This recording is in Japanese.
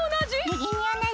みぎにおなじ！